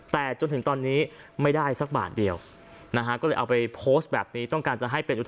แต่จนถึงตอนนี้ไม่ได้สักบาทเดียวนะฮะก็เลยเอาไปโพสต์แบบนี้ต้องการจะให้เป็น